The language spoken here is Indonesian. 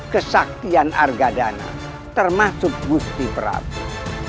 kesaktian harga dana termasuk gusti prabu